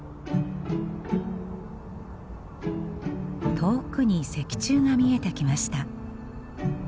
遠くに石柱が見えてきました。